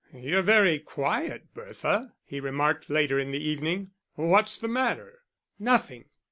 "You're very quiet, Bertha," he remarked, later in the evening. "What's the matter?" "Nothing!"